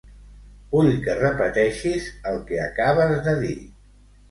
Vull que repeteixis el que acabes de dir.